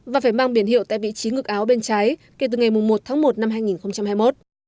và phải mang biển hiệu tại vị trí ngực áo bên trái kể từ ngày một tháng một năm hai nghìn hai mươi một